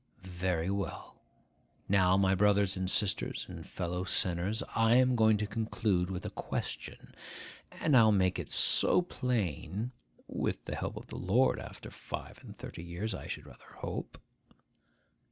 Very well. Now, my brothers and sisters and fellow sinners, I am going to conclude with a question, and I'll make it so plain (with the help of the Lord, after five and thirty years, I should rather hope!)